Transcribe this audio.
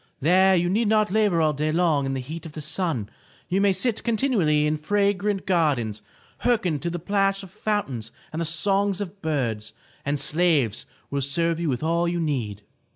There you need not labor all day long in the heat of the sun. You may sit continually in fragrant gardens, hearken to the plash of foun tains and the songs of birds, and slaves will serve you with all you need."